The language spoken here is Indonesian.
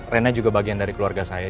rena juga bagian dari keluarga saya